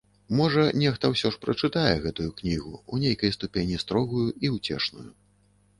Можа, нехта ўсё ж прачытае гэтую кнігу, у нейкай ступені строгую і ўцешную.